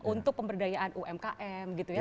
untuk pemberdayaan umkm gitu ya